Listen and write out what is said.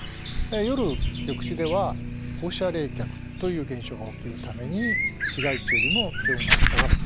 夜緑地では放射冷却という現象が起きるために市街地よりも気温が下がる。